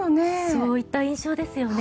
そういった印象ですよね。